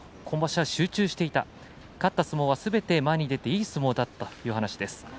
今場所は集中していた勝った相撲はすべて前に出ていい相撲だったという話です。